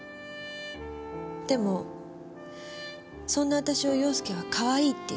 でもそんな私を洋介は「かわいい」って言ってくれた。